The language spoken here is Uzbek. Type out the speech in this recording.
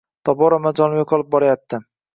Tobora majolim yo`qolib boryapti